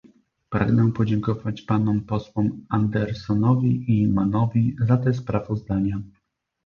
Pragnę podziękować panom posłom Anderssonowi i Mannowi za te sprawozdania